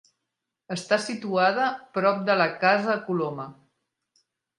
Està situada prop de la casa Coloma.